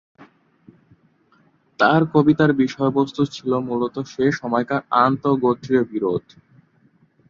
তার কবিতার বিষয়বস্তু ছিল মুলত সে সময়কার আন্ত:গ্রোত্রীয় বিরোধ।